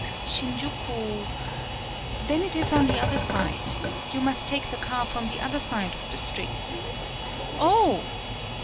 "Shinjuku. ... Then it is on the other side. You must take the car from the other side of the street." "Oh!"